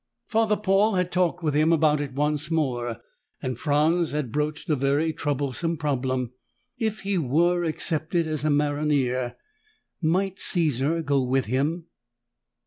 Father Paul had talked with him about it once more, and Franz had broached a very troublesome problem. If he were accepted as a maronnier, might Caesar go with him?